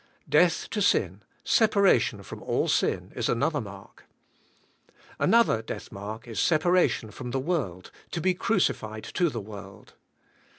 Death to sin, separation from all sin, is another mark. Another death mark is separation from the world, to be crucified to the world.